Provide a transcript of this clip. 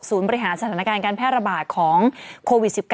บริหารสถานการณ์การแพร่ระบาดของโควิด๑๙